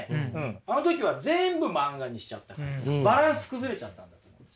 あの時は全部漫画にしちゃったからバランス崩れちゃったんだと思います。